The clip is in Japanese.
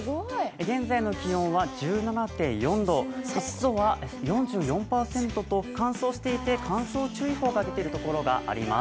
現在の気温は１７．４度、湿度は４４％と乾燥していて、乾燥注意報が出ている所があります。